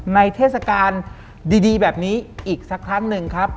เทศกาลดีแบบนี้อีกสักครั้งหนึ่งครับ